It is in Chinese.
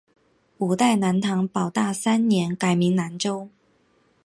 五代南唐保大三年改名南州。